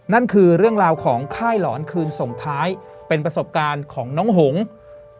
นั่นคือเรื่องราวของค่ายหลอนคืนส่งท้ายเป็นประสบการณ์ของน้องหงษ์